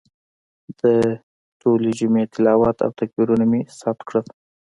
د ټولې جمعې تلاوت او تکبیرونه مې ثبت کړل.